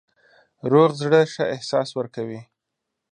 روغ زړه ښه احساس ورکوي.